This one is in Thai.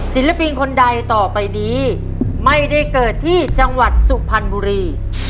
ศิลปินคนใดต่อไปนี้ไม่ได้เกิดที่จังหวัดสุพรรณบุรี